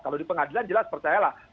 kalau di pengadilan jelas percayalah